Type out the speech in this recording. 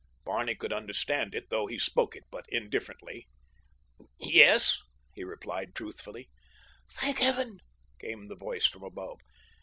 Barney could understand it, though he spoke it but indifferently. "Yes," he replied truthfully. "Thank Heaven!" came the voice from above.